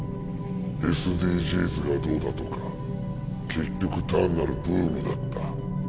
ＳＤＧｓがどうだとか結局単なるブームだった。